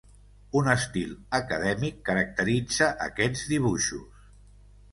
Un estil acadèmic caracteritza aquests dibuixos.